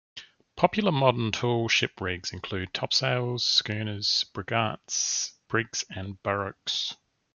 Popular modern tall ship rigs include topsail schooners, brigantines, brigs and barques.